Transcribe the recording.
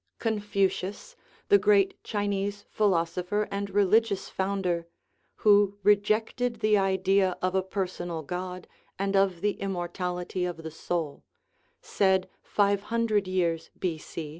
Confu cius, the great Chinese philosopher and religious found er (who rejected the idea of a personal God and of the immortality of the soul), said five hundred years B.